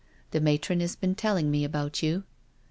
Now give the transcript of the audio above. The matron has been telling me about you.'